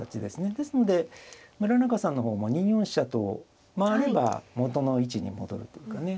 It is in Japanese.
ですので村中さんの方も２四飛車と回れば元の位置に戻るっていうかね。